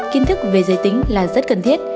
kiên thức về giới tính là rất cần thiết